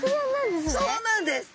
そうなんです。